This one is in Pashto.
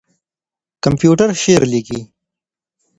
کمپيوټر شعر ليکي.